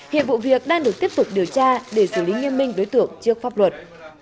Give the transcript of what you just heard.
hiện vụ việc đang được tiếp tục điều tra để xử lý nghiêm minh đối tượng trước pháp luật